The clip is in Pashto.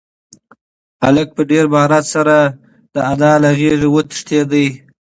هلک په ډېر مهارت سره د انا له غېږې وتښتېد.